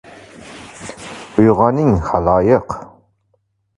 Uyg‘oning, xaloyiq